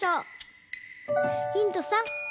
ヒント３。